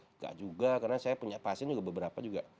tidak juga karena saya punya pasien beberapa juga